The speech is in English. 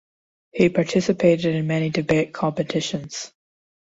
He participated in many debate competitions.